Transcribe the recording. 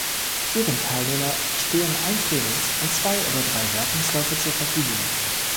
Jedem Teilnehmer stehen ein Trainings- und zwei oder drei Wertungsläufe zur Verfügung.